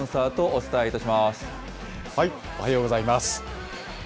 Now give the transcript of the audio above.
おはようございます。